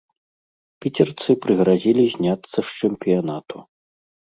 Піцерцы прыгразілі зняцца з чэмпіянату.